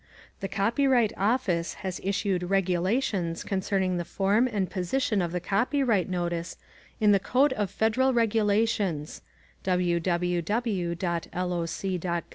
The Copyright Office has issued regulations concerning the form and position of the copyright notice in the Code of Federal Regulations ( [http://www.loc.